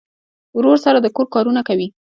ورور سره د کور کارونه کوي.